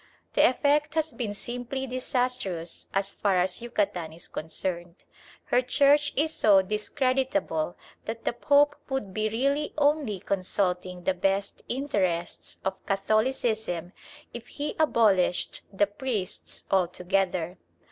The effect has been simply disastrous as far as Yucatan is concerned. Her Church is so discreditable that the Pope would be really only consulting the best interests of Catholicism if he abolished the priests altogether.